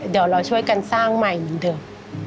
เดี๋ยวเราช่วยกันสร้างใหม่เหมือนเดิม